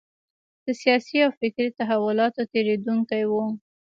د سیاسي او فکري تحولاتو تېرېدونکی و.